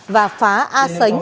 và phá a sánh